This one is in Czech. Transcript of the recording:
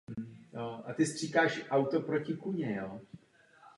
Toto hnutí odmítá abstraktní a konceptuální umění a navrací do malířství a sochařství radost.